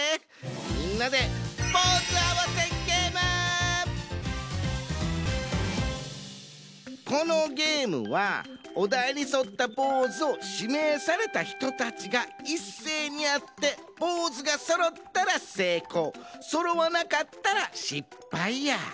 みんなでこのゲームはおだいにそったポーズをしめいされたひとたちがいっせいにやってポーズがそろったらせいこうそろわなかったらしっぱいや。